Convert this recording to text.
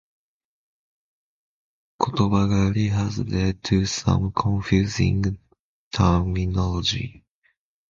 Kotobagari has led to some confusing terminology.